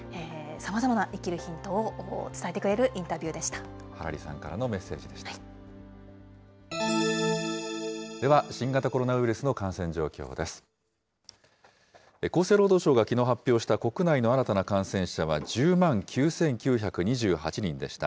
さまざまな生きるヒントを伝えてくれるインタビューでした。